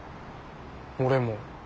俺も。